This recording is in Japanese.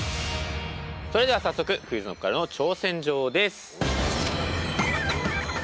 それでは早速ＱｕｉｚＫｎｏｃｋからの挑戦状です。